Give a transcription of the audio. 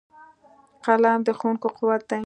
قلم د ښوونکو قوت دی